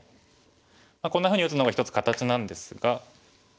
こんなふうに打つのが一つ形なんですが。